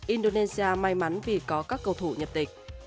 indonesia may mắn vì có các cầu thủ nhập tịch